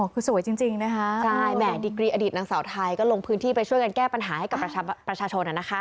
ใครก็ลงพื้นที่ไปช่วยกันแก้ปัญหาให้กับประชาชนนะคะ